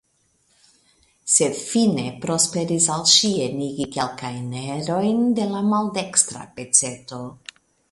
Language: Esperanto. Sed fine prosperis al ŝi enigi kelkajn erojn de la maldekstra peceto.